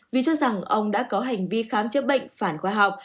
vì cho rằng ông đã có hành vi khám chữa bệnh phản khoa học